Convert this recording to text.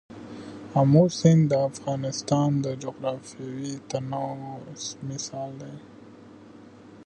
آمو سیند د افغانستان د جغرافیوي تنوع مثال دی.